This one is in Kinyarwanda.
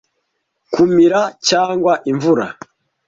kumira cyangwa imvura